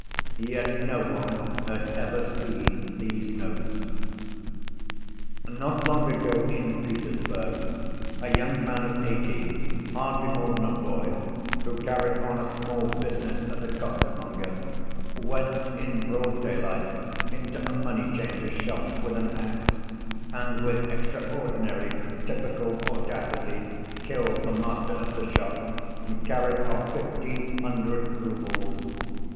Yet no one had ever seen these notes. "Not long ago in Petersburg a young man of eighteen, hardly more than a boy, who carried on a small business as a costermonger, went in broad daylight into a moneychanger's shop with an ax, and with extraordinary, typical audacity killed the master of the shop and carried off fifteen hundred roubles.